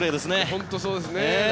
本当にそうですね。